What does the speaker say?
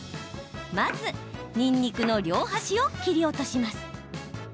まず、にんにくの両端を切り落とします。